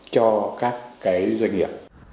cho các cái doanh nghiệp